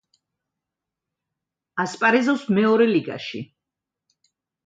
ასპარეზობს მეორე ლიგაში.